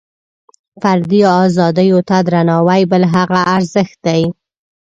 فردي ازادیو ته درناوۍ بل هغه ارزښت دی.